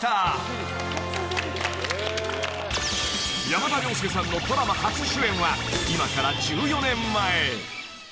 ［山田涼介さんのドラマ初主演は今から１４年前］